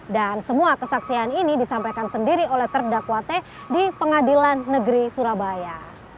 dan semua kesaksian ini disampaikan sendiri oleh terdakwate di pengadilan negeri surabaya